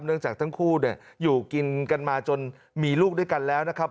จากทั้งคู่อยู่กินกันมาจนมีลูกด้วยกันแล้วนะครับ